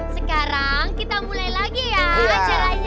sekarang kita mulai lagi ya acaranya